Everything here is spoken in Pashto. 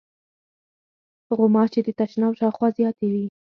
غوماشې د تشناب شاوخوا زیاتې وي.